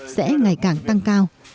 sẽ ngày càng tăng cao